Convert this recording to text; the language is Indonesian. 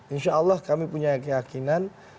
insya allah kami punya keyakinan